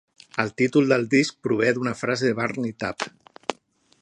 El títol del disc prové d'una frase de "Burn It Up".